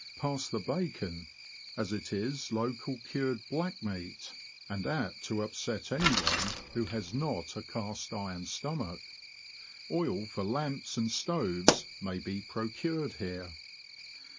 Pass the bacon, as it is local cured ''black meat," and apt to upset anyone who has not a cast iron stomach. Oil for lamps and stoves may be procured here.